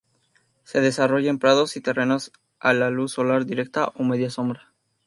Se desarrolla en prados y terrenos a la luz solar directa o media sombra.